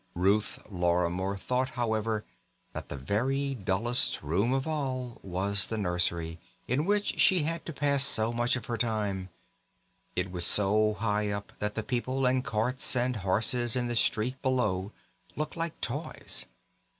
Ruth Lorimer thought, however, that the very dullest room of all was the nursery, in which she had to pass so much of her time. It was so high up that the people and carts and horses in the street below looked like toys.